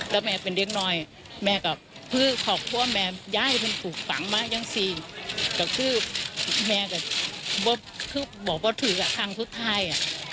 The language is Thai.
แล้วแม่เป็นเด็กน้อยแม่กลับคือขอบคุณแม่เนื้อนให้มายั่งฟังมาเยี่ยงซี